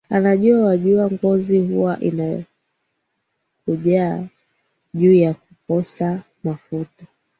ana wajua ngozi huwa inakujana juu ya kukosa mafuta